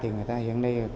thì người ta hiện nay